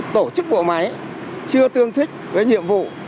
tổ chức bộ máy chưa tương thích với nhiệm vụ